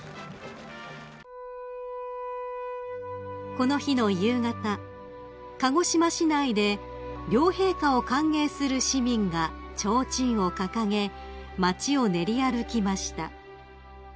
［この日の夕方鹿児島市内で両陛下を歓迎する市民がちょうちんを掲げ町を練り歩きました］